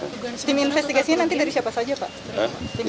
tim investigasinya nanti dari siapa saja pak